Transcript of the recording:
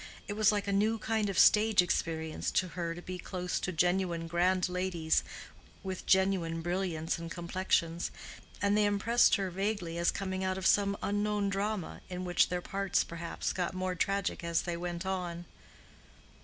It was like a new kind of stage experience to her to be close to genuine grand ladies with genuine brilliants and complexions, and they impressed her vaguely as coming out of some unknown drama, in which their parts perhaps got more tragic as they went on.